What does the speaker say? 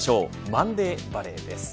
マンデーバレーです。